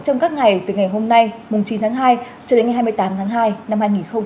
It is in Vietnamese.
trong các ngày từ ngày hôm nay chín tháng hai cho đến ngày hai mươi tám tháng hai năm hai nghìn hai mươi